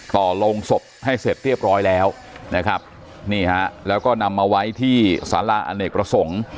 ต่อโรงศพให้เสร็จเรียบร้อยแล้วนะครับนี่ฮะแล้วก็นำมาไว้ที่สาระอเนกประสงค์